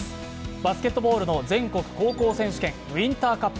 バスケットボールの全国高校選手権、ウインターカップ。